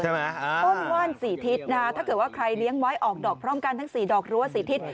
ใช่ไหมอ่าต้นว่านสีทิศนะถ้าเกิดว่าใครเลี้ยงไว้ออกดอกพร่อมกันทั้ง๔ดอกรั้ว๔ทิศ